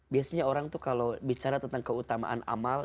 biasanya orang tuh kalau bicara tentang keutamaan amal